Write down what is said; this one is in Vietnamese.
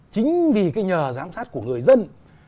chính vì cái nhờ giám sát của người dân